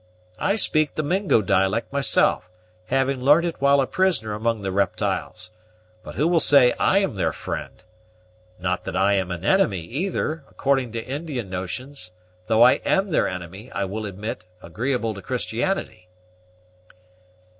I speak the Mingo dialect myself, having learnt it while a prisoner among the reptyles; but who will say I am their friend? Not that I am an enemy, either, according to Indian notions; though I am their enemy, I will admit, agreeable to Christianity."